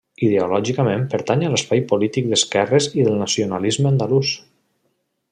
Ideològicament pertany a l'espai polític d'esquerres i del nacionalisme andalús.